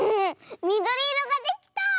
みどりいろができた！